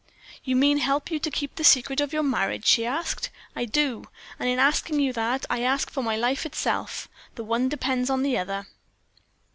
"'You mean, help you to keep the secret of your marriage?' she asked. "'I do; and in asking you that, I ask for my life itself the one depends upon the other.'